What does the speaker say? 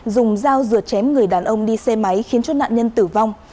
dùng dao rượt chém người đàn ông đi xe máy khiến chốt nạn nhân tử vong